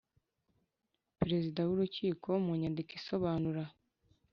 Perezida w’Urukiko mu nyandiko isobanura